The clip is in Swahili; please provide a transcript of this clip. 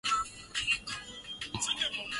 kampeini dhidi ya ugonjwa wa ukimwi haikuwa rahisi